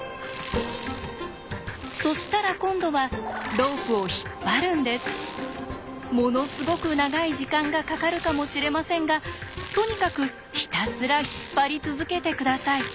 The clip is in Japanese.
そしたら今度はものすごく長い時間がかかるかもしれませんがとにかくひたすら引っ張り続けて下さい。